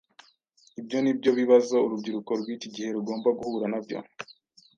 Ibyo ni byo bibazo urubyiruko rw’iki gihe rugomba guhura nabyo.